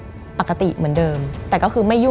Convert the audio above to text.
มันกลายเป็นรูปของคนที่กำลังขโมยคิ้วแล้วก็ร้องไห้อยู่